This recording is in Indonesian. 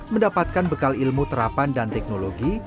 mendapatkan bekal ilmu terapan dan teknologi